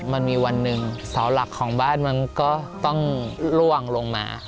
มันมีวันหนึ่งเสาหลักของบ้านมันก็ต้องล่วงลงมา